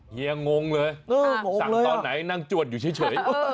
เฮียงงเลยสั่งตอนไหนนั่งจวดอยู่เฉย